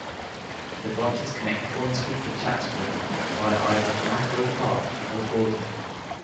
The branches connect Hornsby to Chatswood via either Macquarie Park or Gordon.